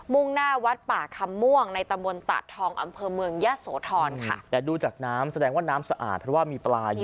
่งหน้าวัดป่าคำม่วงในตำบลตาดทองอำเภอเมืองยะโสธรค่ะแต่ดูจากน้ำแสดงว่าน้ำสะอาดเพราะว่ามีปลาอยู่